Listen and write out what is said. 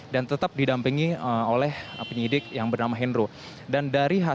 dan tetap didampingi oleh penyidik yang bernama hendro